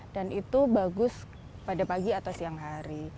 dan itu bagus pada pagi atau siang hari